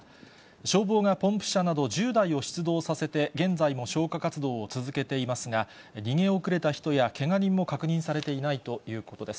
消防がポンプ車など１０台を出動させて、現在も消火活動を続けていますが、逃げ遅れた人やけが人も確認されていないということです。